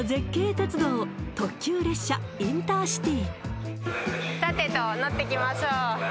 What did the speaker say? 鉄道特急列車インターシティ